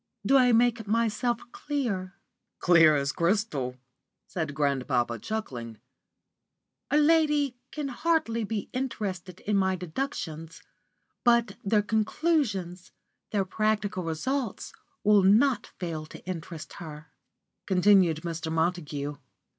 Do I make myself clear?" "Clear as crystal," said grandpapa, chuckling. "A lady can hardly be interested in my deductions, but their conclusions, their practical results, will not fail to interest her," continued Mr. Montague.